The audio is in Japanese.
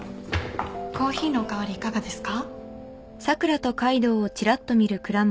コーヒーのお代わりいかがですか？